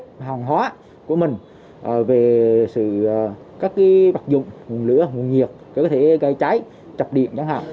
sự hoàn hóa của mình về sự các bạc dụng nguồn lửa nguồn nhiệt có thể gây cháy chập điện chẳng hạn